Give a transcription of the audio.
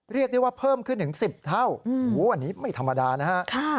เรียกได้ว่าเพิ่มขึ้นถึง๑๐เท่าอันนี้ไม่ธรรมดานะฮะ